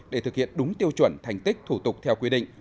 để thực hiện đúng tiêu chuẩn thành tích thủ tục theo quy định